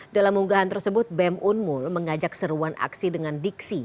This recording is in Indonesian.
dalam unggahan tersebut bem unmul mengajak seruan aksi dengan diksi